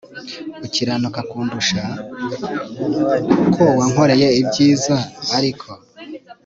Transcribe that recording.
urakiranuka kundusha l kuko wankoreye ibyiza m ariko